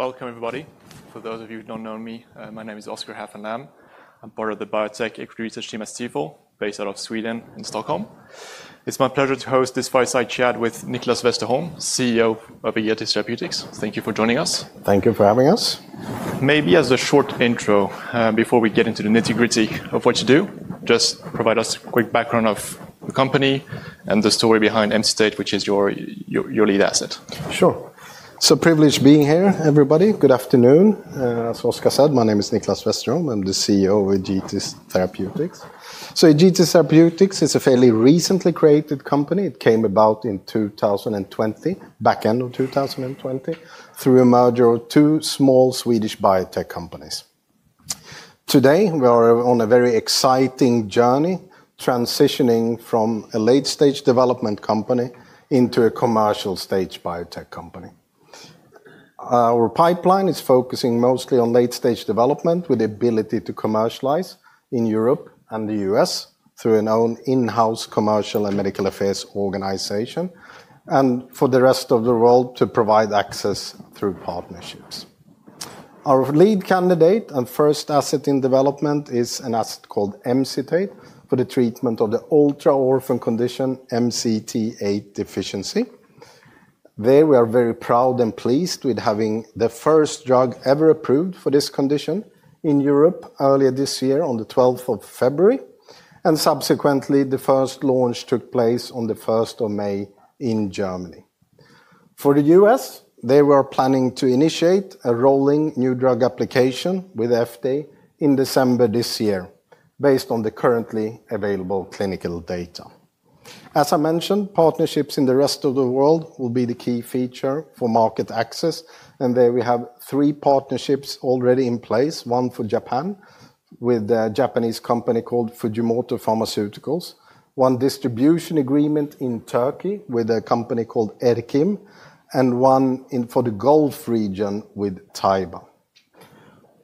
Welcome, Everybody. For those of you who don't know me, My name is Oskar Häfänen. I'm part of the Biotech Equity Research Team at CEPHOL, based out of Sweden in Stockholm. It's my pleasure to host this fireside chat with Niklas Westerholm, CEO of Egetis Therapeutics. Thank you for joining us. Thank you for having us. Maybe as a short intro, before we get into the nitty-gritty of what you do, just provide us a quick background of the company and the story behind Emcitate, which is your lead asset. Sure. It's a privilege being here, everybody. Good afternoon. As Oskar said, my name is Niklas Westerholm. I'm the CEO of Egetis Therapeutics. Egetis Therapeutics is a fairly recently created company. It came about in 2020, back end of 2020, through a merger of two small Swedish biotech companies. Today, we are on a very exciting journey, transitioning from a late-stage development company into a commercial-stage biotech company. Our pipeline is focusing mostly on late-stage development with the ability to commercialize in Europe and the U.S. through an own in-house commercial and medical affairs organization, and for the rest of the world to provide access through partnerships. Our lead candidate and first asset in development is an asset called Emcitate for the treatment of the ultra-Orphan condition MCT8 deficiency. There, we are very proud and pleased with having the first drug ever approved for this condition in Europe earlier this year on the 12th of February. Subsequently, the first launch took place on the 1st of May in Germany. For the US, they were planning to initiate a rolling new drug application with FDA in December this year, based on the currently available clinical data. As I mentioned, partnerships in the rest of the world will be the key feature for market access. There we have three partnerships already in place, one for Japan with a Japanese company called Fujimoto Pharmaceuticals, one distribution agreement in Turkey with a company called Erkim, and one for the Gulf region with Taiba.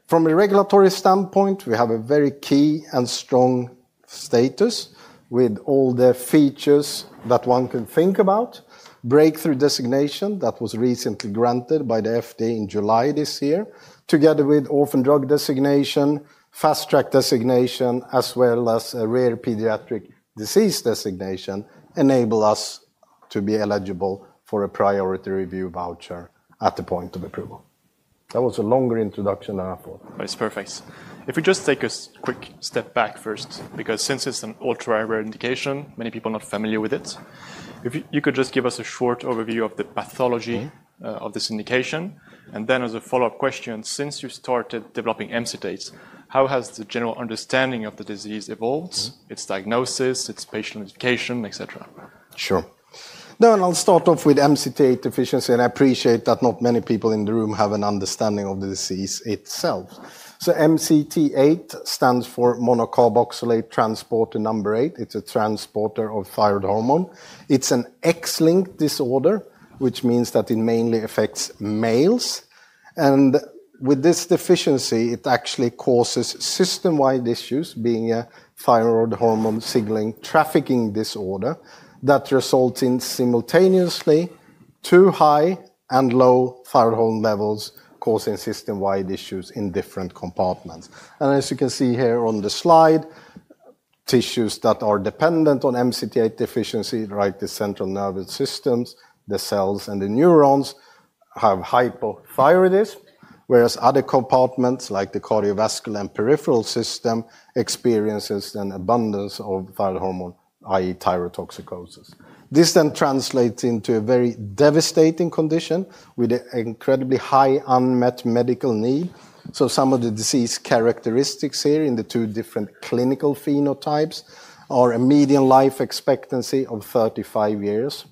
From a regulatory standpoint, we have a very key and strong status with all the features that one can think about. Breakthrough designation that was recently granted by the FDA in July this year, together with Orphan drug designation, fast-track designation, as well as a rare pediatric disease designation, enables us to be eligible for a priority review voucher at the point of approval. That was a longer introduction than I thought. That is perfect. If we just take a quick step back first, because since it's an ultra-rare indication, many people are not familiar with it, if you could just give us a short overview of the pathology of this indication. Then as a follow-up question, since you started developing Emcitate, how has the general understanding of the disease evolved, its diagnosis, its patient education, etc? Sure. No, and I'll start off with MCT8 deficiency. I appreciate that not many people in the room have an understanding of the disease itself. MCT8 stands for monocarboxylate transporter number eight. It's a transporter of thyroid hormone. It's an X-linked disorder, which means that it mainly affects males. With this deficiency, it actually causes system-wide issues, being a thyroid hormone signaling trafficking disorder that results in simultaneously too high and low thyroid hormone levels, causing system-wide issues in different compartments. As you can see here on the slide, tissues that are dependent on MCT8, like the Central Nervous System, the cells, and the neurons, have hypothyroidism, whereas other compartments, like the cardiovascular and peripheral system, experience an abundance of thyroid hormone, i.e., Thyrotoxicosis. This then translates into a very devastating condition with an incredibly high unmet medical need. Some of the disease characteristics here in the two different clinical phenotypes are a median life expectancy of 35 years.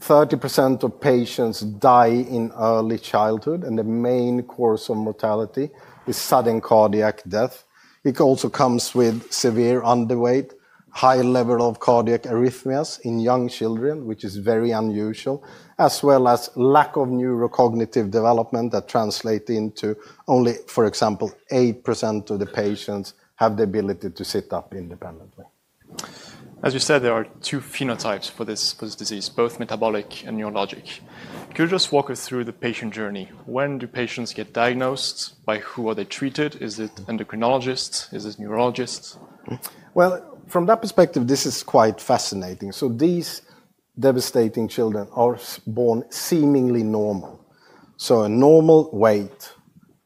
30% of patients die in early childhood, and the main cause of mortality is sudden cardiac death. It also comes with severe underweight, high level of cardiac arrhythmias in young children, which is very unusual, as well as lack of neurocognitive development that translates into only, for example, 8% of the patients have the ability to sit up independently. As you said, there are two phenotypes for this disease, both metabolic and neurologic. Could you just walk us through the patient journey? When do patients get diagnosed? By who are they treated? Is it endocrinologists? Is it neurologists? From that perspective, this is quite fascinating. These devastating children are born seemingly normal. A normal weight,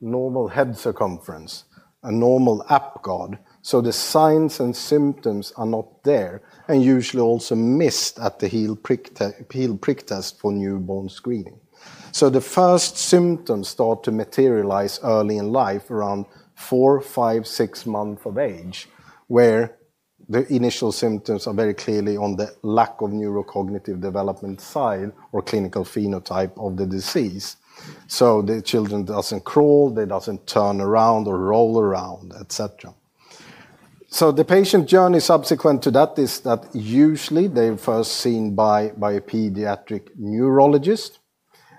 normal head circumference, a normal Apgar. The signs and symptoms are not there, and usually also missed at the heel prick test for newborn screening. The first symptoms start to materialize early in life, around four, five, six months of age, where the initial symptoms are very clearly on the lack of neurocognitive development side or clinical phenotype of the disease. The children doesn't crawl, they doesn't turn around or roll around, etc. The patient journey subsequent to that is that usually they're first seen by a pediatric neurologist.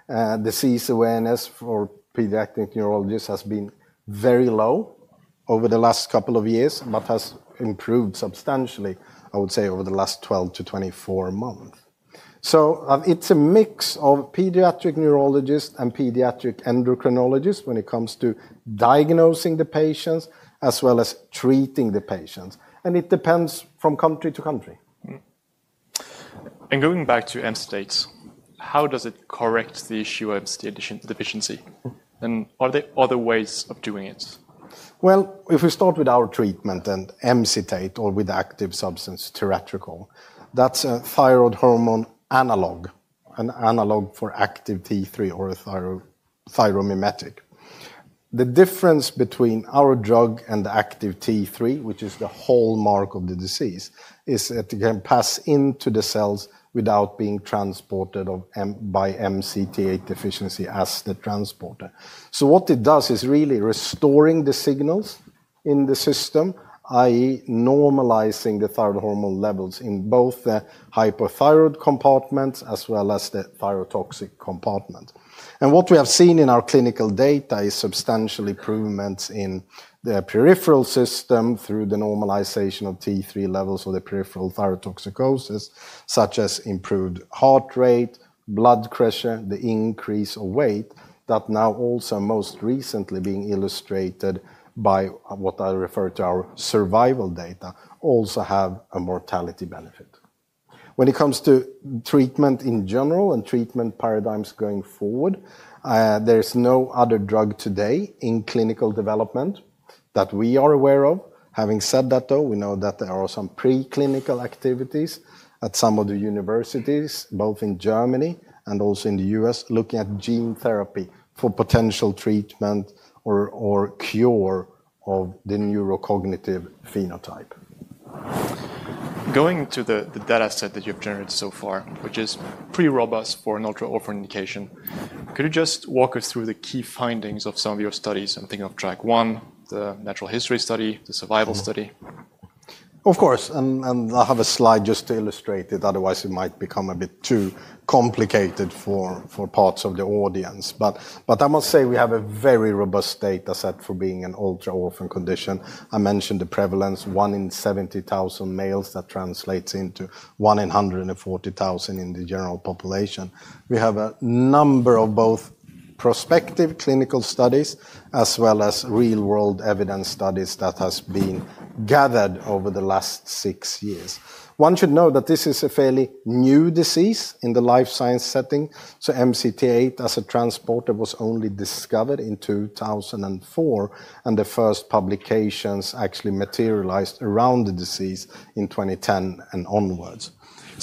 Disease awareness for pediatric neurologists has been very low over the last couple of years, but has improved substantially, I would say, over the last 12-24 months. It's a mix of pediatric neurologists and pediatric endocrinologists when it comes to diagnosing the patients, as well as treating the patients. It depends from country to country. Going back to MCT8, how does it correct the issue of MCT8 deficiency? Are there other ways of doing it? If we start with our treatment and Emcitate, or with active substance, Tiratricol, that's a thyroid hormone analog, an analog for active T3 or thyromimetic. The difference between our drug and the active T3, which is the hallmark of the disease, is that it can pass into the cells without being transported by MCT8 deficiency as the transporter. What it does is really restoring the signals in the system, i.e., normalizing the thyroid hormone levels in both the hypothyroid compartments as well as the thyrotoxic compartment. What we have seen in our clinical data is substantial improvements in the peripheral system through the normalization of T3 levels of the peripheral Thyrotoxicosis, such as improved heart rate, blood pressure, the increase of weight, that now also most recently being illustrated by what I refer to as our survival data, also have a mortality benefit. When it comes to treatment in general and treatment paradigms going forward, there's no other drug today in clinical development that we are aware of. Having said that, though, we know that there are some preclinical activities at some of the universities, both in Germany and also in the US, looking at gene therapy for potential treatment or cure of the neurocognitive phenotype. Going to the data set that you've generated so far, which is pretty robust for an ultra-Orphan indication, could you just walk us through the key findings of some of your studies? I'm thinking of track one, the natural history study, the survival study. Of course. I have a slide just to illustrate it. Otherwise, it might become a bit too complicated for parts of the audience. I must say we have a very robust data set for being an ultra-Orphan condition. I mentioned the prevalence, one in 70,000 males that translates into one in 140,000 in the general population. We have a number of both prospective clinical studies as well as real-world evidence studies that have been gathered over the last six years. One should know that this is a fairly new disease in the life science setting. MCT8, as a transporter, was only discovered in 2004, and the first publications actually materialized around the disease in 2010 and onwards.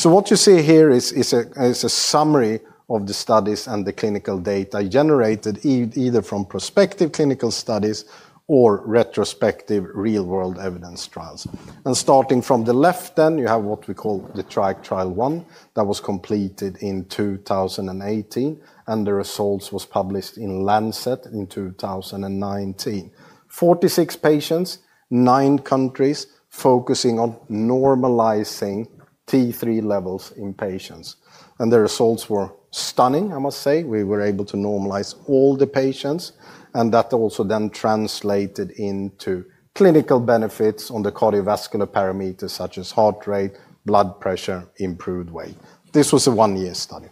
What you see here is a summary of the studies and the clinical data generated either from prospective clinical studies or retrospective real-world evidence trials. Starting from the left, you have what we call the Track trial one that was completed in 2018, and the results were published in Lancet in 2019. Forty-six patients, nine countries, focusing on normalizing T3 levels in patients. The results were stunning, I must say. We were able to normalize all the patients. That also then translated into clinical benefits on the cardiovascular parameters, such as heart rate, blood pressure, improved weight. This was a one-year study.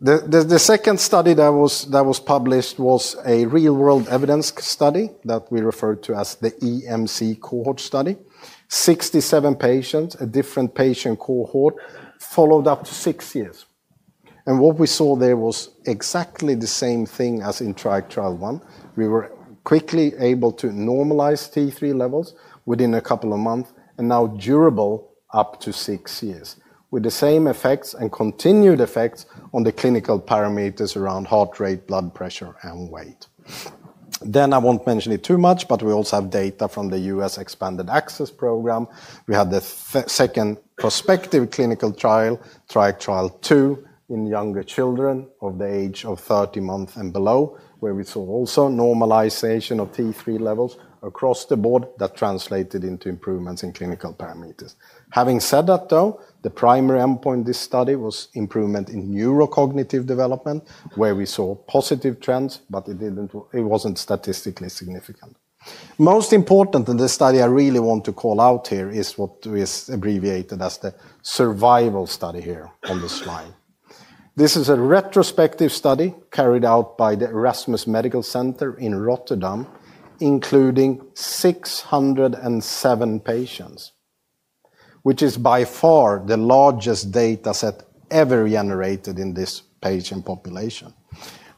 The second study that was published was a real-world evidence study that we refer to as the EMC cohort study. Sixty-seven patients, a different patient cohort, followed up to six years. What we saw there was exactly the same thing as in Track trial one. We were quickly able to normalize T3 levels within a couple of months and now durable up to six years, with the same effects and continued effects on the clinical parameters around heart rate, blood pressure, and weight. I will not mention it too much, but we also have data from the US Expanded Access Program. We had the second prospective clinical trial, Track Trial Two, in younger children of the age of 30 months and below, where we saw also normalization of T3 levels across the board that translated into improvements in clinical parameters. Having said that, though, the primary endpoint of this study was improvement in Neurocognitive development, where we saw positive trends, but it was not statistically significant. Most important in this study I really want to call out here is what is abbreviated as the survival study here on the slide. This is a retrospective study carried out by the Erasmus Medical Center in Rotterdam, including 607 patients, which is by far the largest data set ever generated in this patient population.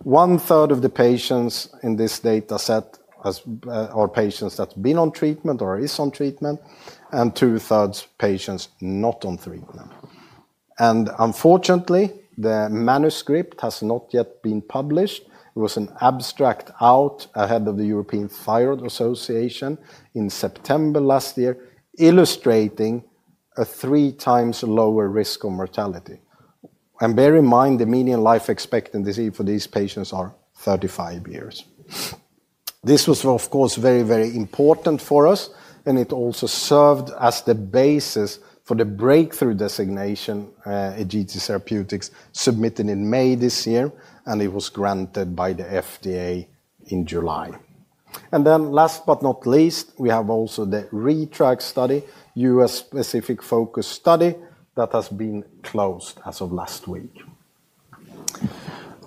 One third of the patients in this data set are patients that have been on treatment or are on treatment, and two thirds of patients not on treatment. Unfortunately, the manuscript has not yet been published. It was an abstract out ahead of the European Thyroid Association in September last year, illustrating a three times lower risk of mortality. Bear in mind, the median life expectancy for these patients is 35 years. This was, of course, very, very important for us, and it also served as the basis for the breakthrough designation that Egetis Therapeutics submitted in May this year, and it was granted by the FDA in July. Last but not least, we have also the Retrack study, US-specific focus study that has been closed as of last week.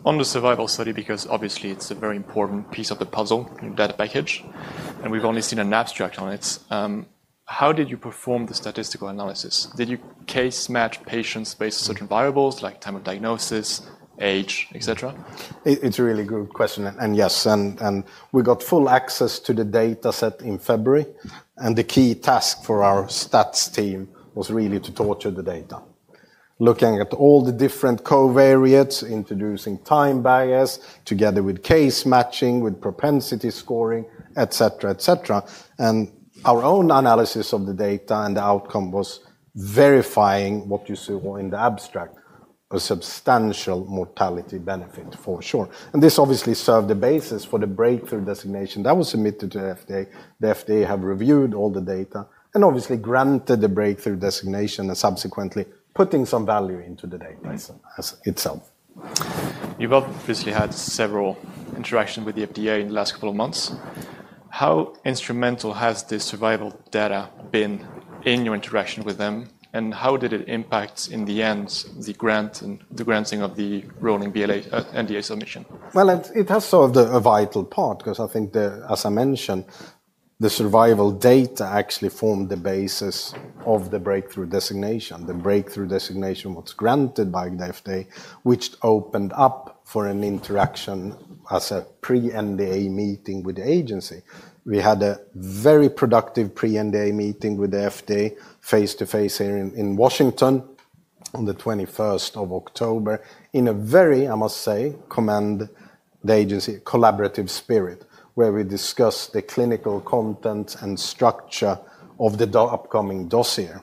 On the survival study, because obviously it's a very important piece of the puzzle, that package, and we've only seen an abstract on it, how did you perform the statistical analysis? Did you case match patients based on certain variables like time of diagnosis, age, etc? It's a really good question. Yes, we got full access to the data set in February. The key task for our stats team was really to torture the data, looking at all the different covariates, introducing time bias together with case matching, with propensity scoring, etc. Our own analysis of the data and the outcome was verifying what you saw in the abstract, a substantial mortality benefit for sure. This obviously served the basis for the breakthrough designation that was submitted to the FDA. The FDA has reviewed all the data and obviously granted the breakthrough designation and subsequently put some value into the data itself. You've obviously had several interactions with the FDA in the last couple of months. How instrumental has the survival data been in your interaction with them? How did it impact in the end the granting of the Rolling NDA submission? It has served a vital part because I think, as I mentioned, the survival data actually formed the basis of the breakthrough designation. The breakthrough designation was granted by the FDA, which opened up for an interaction as a pre-NDA meeting with the agency. We had a very productive pre-NDA meeting with the FDA face to face here in Washington on the 21st of October in a very, I must say, commend the agency collaborative spirit, where we discussed the clinical contents and structure of the upcoming dossier.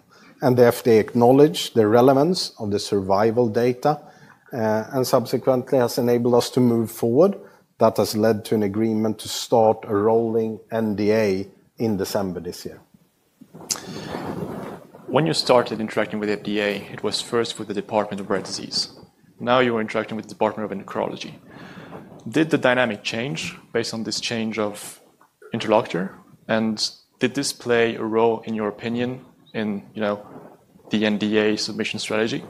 The FDA acknowledged the relevance of the survival data and subsequently has enabled us to move forward. That has led to an agreement to start a rolling NDA in December this year. When you started interacting with the FDA, it was first with the Department of Rare Disease. Now you are interacting with the Department of Endocrinology. Did the dynamic change based on this change of interlocutor? Did this play a role, in your opinion, in the NDA submission strategy?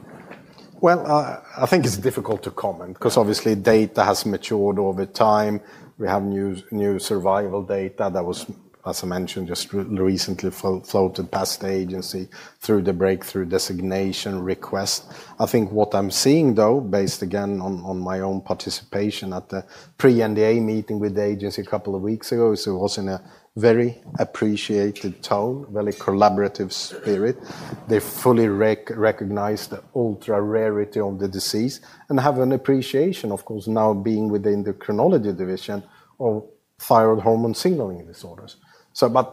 I think it's difficult to comment because obviously data has matured over time. We have new survival data that was, as I mentioned, just recently floated past the agency through the breakthrough designation request. I think what I'm seeing, though, based again on my own participation at the pre-NDA meeting with the agency a couple of weeks ago, is it was in a very appreciated tone, very collaborative spirit. They fully recognized the ultra rarity of the disease and have an appreciation, of course, now being within the chronology division of thyroid hormone signaling disorders.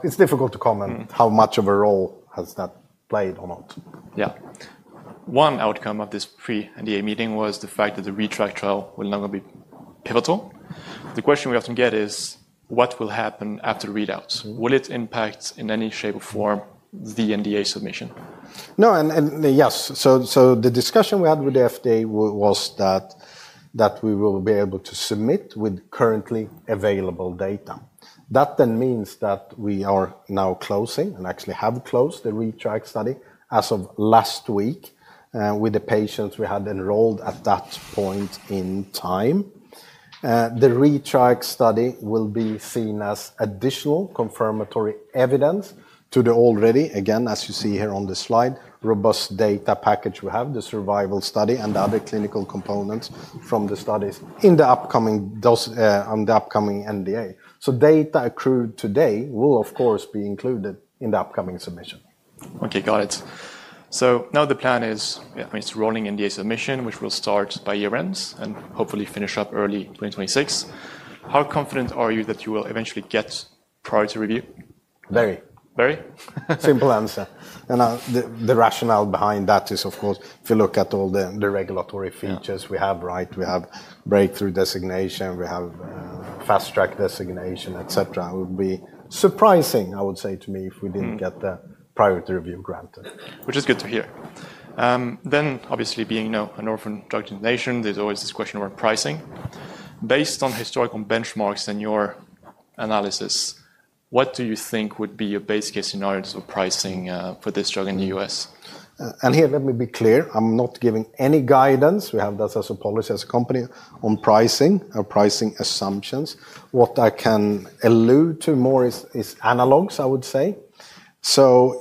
It's difficult to comment how much of a role has that played or not. Yeah. One outcome of this pre-NDA meeting was the fact that the Retrack study will not be pivotal. The question we often get is, what will happen after the readouts? Will it impact in any shape or form the NDA submission? No. And yes. The discussion we had with the FDA was that we will be able to submit with currently available data. That then means that we are now closing and actually have closed the Retrack study as of last week with the patients we had enrolled at that point in time. The Retrack study will be seen as additional confirmatory evidence to the already, again, as you see here on the slide, robust data package we have, the survival study and other clinical components from the studies in the upcoming NDA. Data accrued today will, of course, be included in the upcoming submission. Okay. Got it. Now the plan is, I mean, it's a rolling NDA submission, which will start by year-end and hopefully finish up early 2026. How confident are you that you will eventually get priority review? Very. Very? Simple answer. The rationale behind that is, of course, if you look at all the regulatory features we have, right? We have breakthrough designation. We have fast-track designation, et cetera. It would be surprising, I would say, to me if we did not get the priority review granted. Which is good to hear. Obviously, being an Orphan drug nation, there's always this question around pricing. Based on historical benchmarks and your analysis, what do you think would be your base case scenarios of pricing for this drug in the US? Let me be clear. I'm not giving any guidance. We have that as a policy as a company on pricing or pricing assumptions. What I can allude to more is analogs, I would say.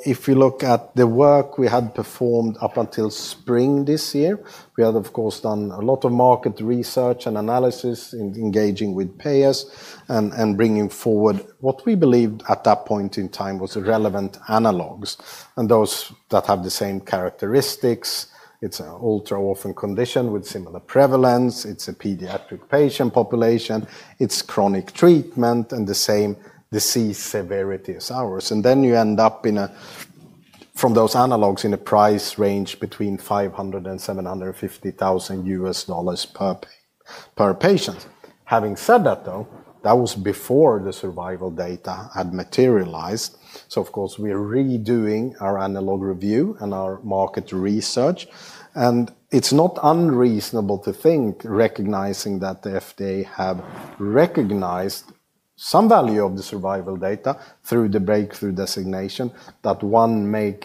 If you look at the work we had performed up until spring this year, we had, of course, done a lot of market research and analysis engaging with payers and bringing forward what we believed at that point in time was relevant analogs. Those that have the same characteristics, it's an ultra-Orphan condition with similar prevalence, it's a pediatric patient population, it's chronic treatment, and the same disease severity as ours. You end up from those analogs in a price range between $500,000 and $750,000 per patient. Having said that, though, that was before the survival data had materialized. Of course, we're redoing our analog review and our market research. It's not unreasonable to think, recognizing that the FDA have recognized some value of the survival data through the breakthrough designation, that one may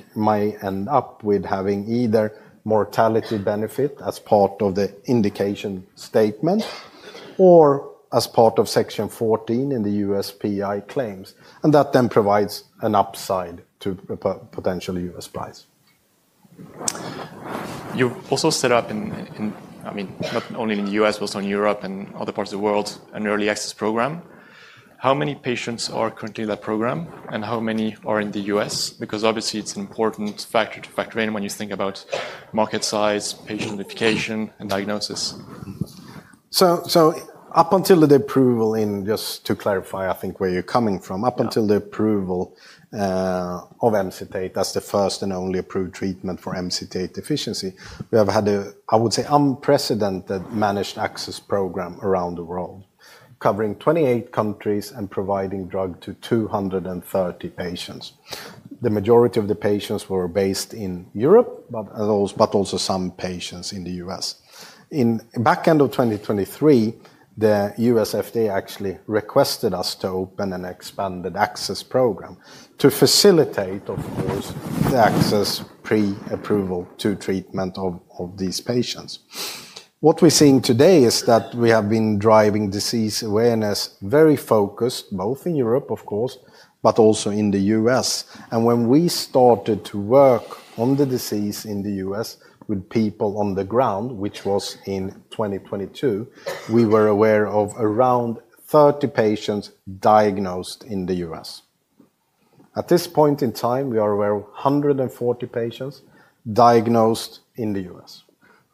end up with having either mortality benefit as part of the indication statement or as part of Section 14 in the USPI claims. That then provides an upside to a potential US price. You also set up, I mean, not only in the US, but also in Europe and other parts of the world, an early access program. How many patients are currently in that program, and how many are in the US? Because obviously, it's an important factor to factor in when you think about market size, patient implication, and diagnosis. Up until the approval, just to clarify, I think where you're coming from, up until the approval of Emcitate as the first and only approved treatment for MCT8 deficiency, we have had a, I would say, unprecedented managed access program around the world, covering 28 countries and providing drug to 230 patients. The majority of the patients were based in Europe, but also some patients in the US. In the back end of 2023, the US FDA actually requested us to open an Expanded Access Program to facilitate, of course, the access pre-approval to treatment of these patients. What we're seeing today is that we have been driving disease awareness very focused, both in Europe, of course, but also in the US. When we started to work on the disease in the US with people on the ground, which was in 2022, we were aware of around 30 patients diagnosed in the US. At this point in time, we are aware of 140 patients diagnosed in the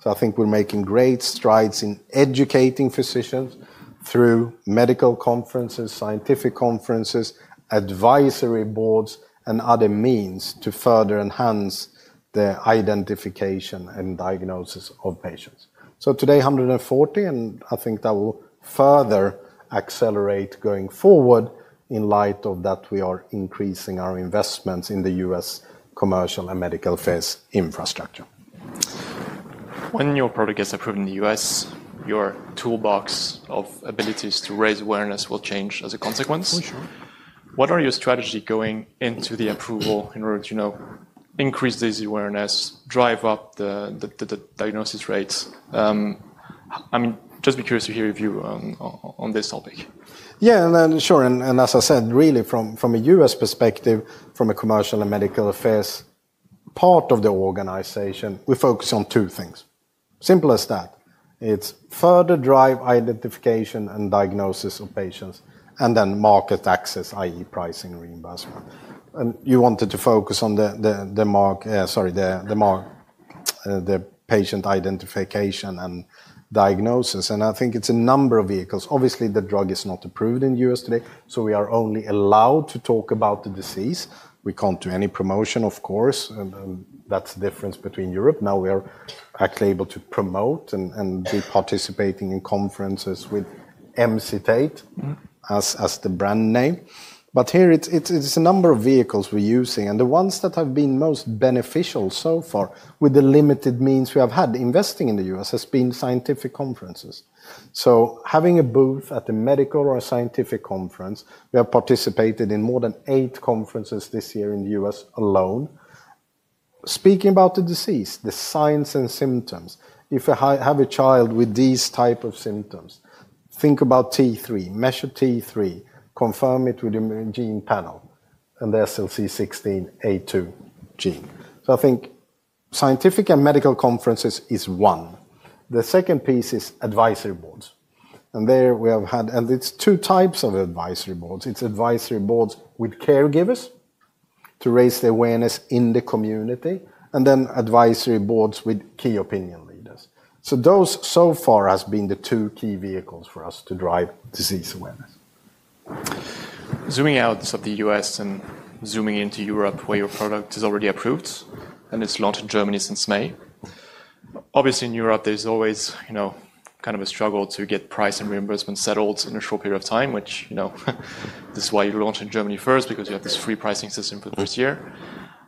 US. I think we're making great strides in educating physicians through medical conferences, scientific conferences, advisory boards, and other means to further enhance the identification and diagnosis of patients. Today, 140, and I think that will further accelerate going forward in light of that we are increasing our investments in the US commercial and medical affairs infrastructure. When your product gets approved in the US, your toolbox of abilities to raise awareness will change as a consequence. For sure. What are your strategies going into the approval in order to increase disease awareness, drive up the diagnosis rates? I mean, just be curious to hear your view on this topic. Yeah. Sure. As I said, really, from a US perspective, from a commercial and medical affairs part of the organization, we focus on two things. Simple as that, It is further drive identification and diagnosis of patients, and then market access, i.e., pricing reimbursement. You wanted to focus on the patient identification and diagnosis. I think it is a number of vehicles. Obviously, the drug is not approved in the US today, so we are only allowed to talk about the disease. We cannot do any promotion, of course. That is the difference between Europe. Now we are actually able to promote and be participating in conferences with Emcitate as the brand name. Here, it is a number of vehicles we are using. The ones that have been most beneficial so far with the limited means we have had investing in the US have been scientific conferences. Having a booth at a medical or a scientific conference, we have participated in more than eight conferences this year in the US alone. Speaking about the disease, the signs and symptoms, if you have a child with these types of symptoms, think about T3, measure T3, confirm it with a gene panel, and the SLC16A2 gene. I think scientific and medical conferences is one. The second piece is advisory boards. There we have had, and it is two types of advisory boards. It is advisory boards with caregivers to raise the awareness in the community, and then advisory boards with key opinion leaders. Those so far have been the two key vehicles for us to drive disease awareness. Zooming out of the US and zooming into Europe, where your product is already approved and it's launched in Germany since May. Obviously, in Europe, there's always kind of a struggle to get price and reimbursement settled in a short period of time, which this is why you launched in Germany first, because you have this free pricing system for the first year.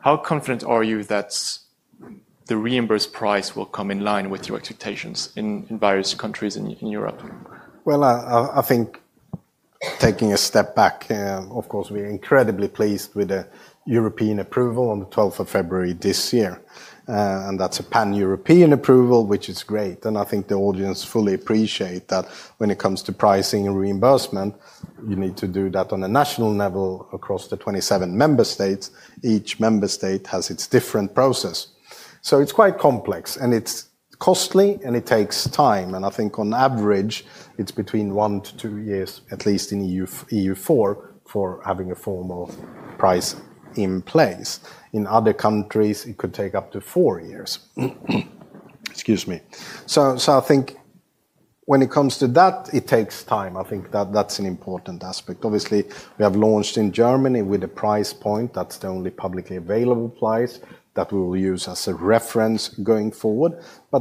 How confident are you that the reimbursed price will come in line with your expectations in various countries in Europe? I think taking a step back, of course, we are incredibly pleased with the European approval on the 12th of February this year. That is a Pan-European approval, which is great. I think the audience fully appreciates that when it comes to pricing and reimbursement, you need to do that on a national level across the 27 member states. Each member state has its different process. It is quite complex, and it is costly, and it takes time. I think on average, it is between one to two years, at least in EU4, for having a formal price in place. In other countries, it could take up to four years. Excuse me. I think when it comes to that, it takes time. I think that is an important aspect. Obviously, we have launched in Germany with a price point that's the only publicly available price that we will use as a reference going forward.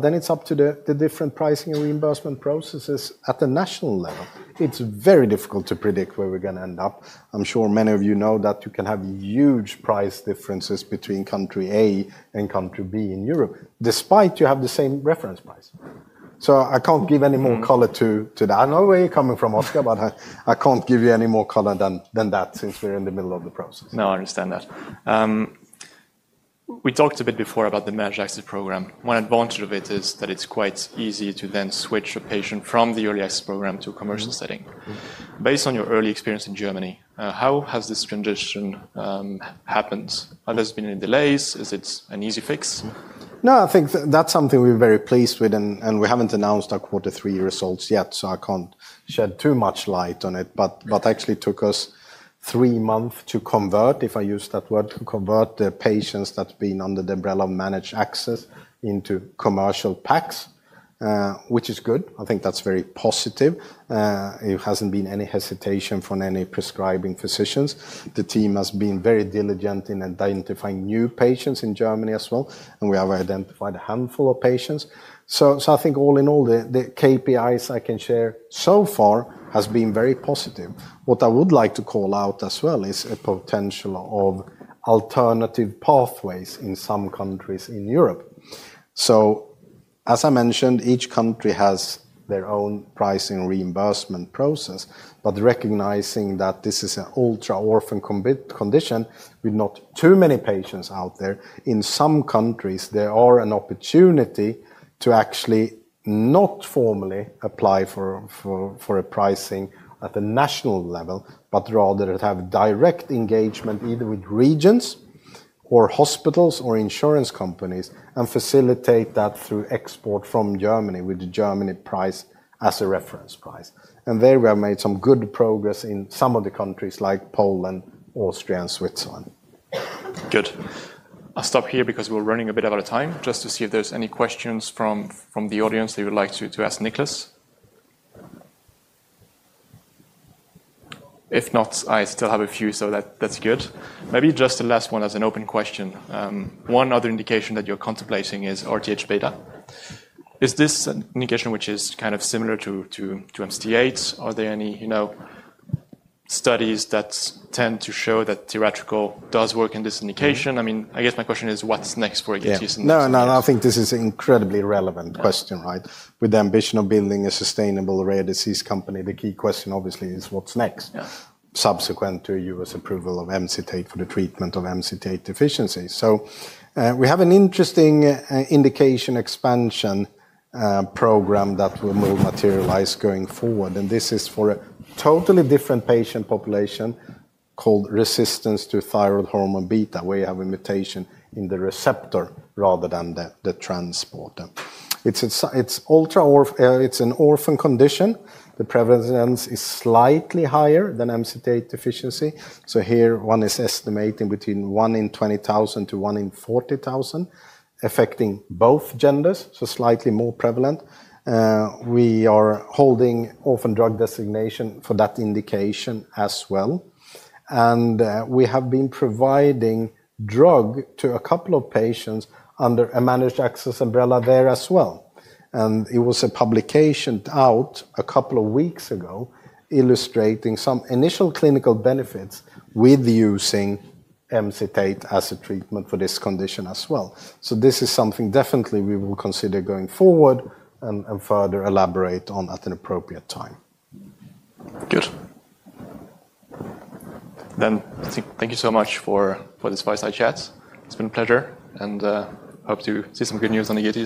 Then it's up to the different pricing and reimbursement processes at the national level. It's very difficult to predict where we're going to end up. I'm sure many of you know that you can have huge price differences between country A and country B in Europe, despite you have the same reference price. I can't give any more color to that. I know where you're coming from, Oskar, but I can't give you any more color than that since we're in the middle of the process. No, I understand that. We talked a bit before about the managed access program. One advantage of it is that it's quite easy to then switch a patient from the early access program to a commercial setting. Based on your early experience in Germany, how has this transition happened? Have there been any delays? Is it an easy fix? No, I think that's something we're very pleased with, and we haven't announced our quarter three results yet, so I can't shed too much light on it. Actually, it took us three months to convert, if I use that word, to convert the patients that have been under the umbrella of managed access into commercial packs, which is good. I think that's very positive. It hasn't been any hesitation from any prescribing physicians. The team has been very diligent in identifying new patients in Germany as well. We have identified a handful of patients. I think all in all, the KPIs I can share so far have been very positive. What I would like to call out as well is a potential of alternative pathways in some countries in Europe. As I mentioned, each country has their own pricing reimbursement process. Recognizing that this is an ultra-Orphan condition with not too many patients out there, in some countries, there is an opportunity to actually not formally apply for a pricing at the national level, but rather have direct engagement either with regions or hospitals or insurance companies and facilitate that through export from Germany with the German price as a reference price. There we have made some good progress in some of the countries like Poland, Austria, and Switzerland. Good. I'll stop here because we're running a bit out of time, just to see if there's any questions from the audience that you would like to ask Niklas. If not, I still have a few, so that's good. Maybe just the last one as an open question. One other indication that you're contemplating is RTH beta. Is this an indication which is kind of similar to Emcitate? Are there any studies that tend to show that tiratricol does work in this indication? I mean, I guess my question is, what's next for Emcitate? No, no, no. I think this is an incredibly relevant question, right? With the ambition of building a sustainable rare disease company, the key question, obviously, is what's next subsequent to US approval of Emcitate for the treatment of MCT8 deficiency. We have an interesting indication expansion program that will materialize going forward. This is for a totally different patient population called resistance to thyroid hormone beta, where you have a mutation in the receptor rather than the transporter. It's an Orphan condition. The prevalence is slightly higher than MCT8 deficiency. Here, one is estimating between 1 in 20,000-1 in 40,000, affecting both genders, so slightly more prevalent. We are holding Orphan drug designation for that indication as well. We have been providing drug to a couple of patients under a managed access umbrella there as well. There was a publication out a couple of weeks ago illustrating some initial clinical benefits with using Emcitate as a treatment for this condition as well. This is something definitely we will consider going forward and further Elaborate on at an appropriate time. Good. Thank you so much for this fireside chat. It's been a pleasure, and I hope to see some good news on the.